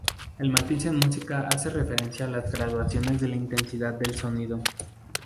El matiz en música hace referencia a las graduaciones de la intensidad del sonido.